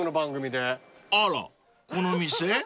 ［あらこの店？］